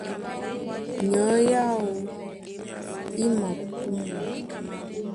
Nyɔ̌ áō í mapúmbwa.